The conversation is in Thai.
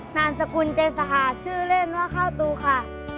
นามสกุลเจสหาชื่อเล่นว่าข้าวตูค่ะ